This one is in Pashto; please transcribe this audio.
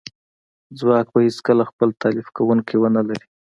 ځواک به هیڅکله خپل تالیف کونکی ونه لري